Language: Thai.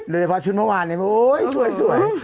เลยพอชุดเมื่อวานโอ๊ยสวย